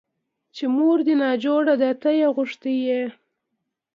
چې مور دې ناجوړه ده ته يې غوښتى يې.